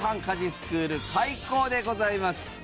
家事スクール開校でございます。